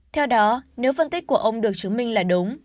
theo đó nếu phân tích của ông được chứng minh là đúng